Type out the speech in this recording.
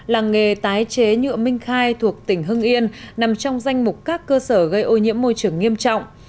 làng nghề tái chế nhựa minh khai thuộc tỉnh hưng yên nằm trong danh mục các cơ sở gây ô nhiễm môi trường nghiêm trọng